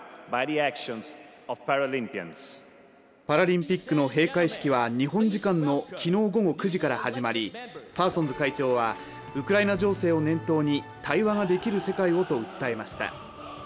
パラリンピックの閉会式は日本時間の昨日午後９時から始まりパーソンズ会長はウクライナ情勢を念頭に対話ができる世界をと訴えました。